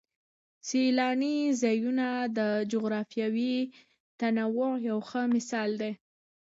سیلاني ځایونه د جغرافیوي تنوع یو ښه مثال دی.